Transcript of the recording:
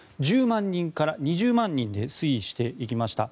人から２０万人で推移していきました。